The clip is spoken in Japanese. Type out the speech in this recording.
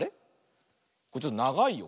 これちょっとながいよ。